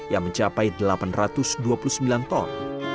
yang mencapai delapan ratus dua puluh sembilan ton